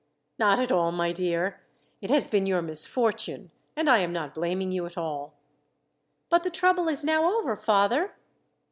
"Not at all, my dear. It has been your misfortune, and I am not blaming you at all." "But the trouble is now over, father!"